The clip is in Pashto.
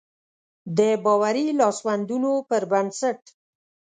د باوري لاسوندونو پر بنسټ.